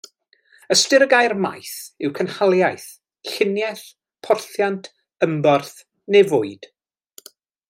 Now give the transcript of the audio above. Ystyr y gair maeth yw cynhaliaeth, lluniaeth, porthiant, ymborth neu fwyd.